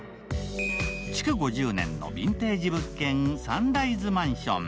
築５０年のヴィンテージ物件、サンライズ・マンション。